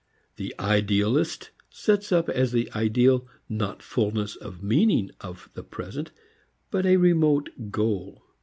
The "idealist" sets up as the ideal not fullness of meaning of the present but a remote goal.